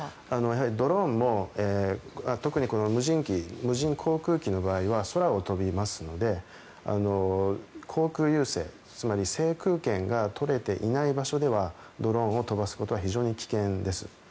やはりドローンも特に無人航空機の場合は空を飛びますので航空優勢、つまり制空権が取れていない場所ではドローンを飛ばすことは非常に危険です。